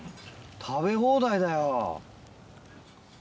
食べ放題だよ！